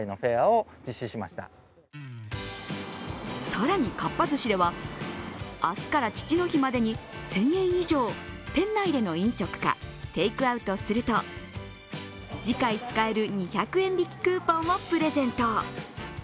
更に、かっぱ寿司では明日から父の日までに１０００円以上、店内での飲食か、テイクアウトすると次回使える２００円引きクーポンをプレゼント。